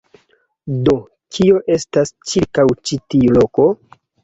Do, kio estas ĉirkaŭ ĉi tiu loko?